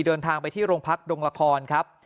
เดินทางไปที่โรงพักดงละครครับ